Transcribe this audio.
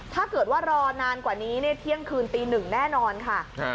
ถ้าเกิดว่ารอนานกว่านี้เนี้ยเที่ยงคืนตีหนึ่งแน่นอนค่ะอ่า